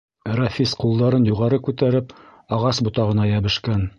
Рәфис ҡулдарын юғары күтәреп ағас ботағына йәбешкән.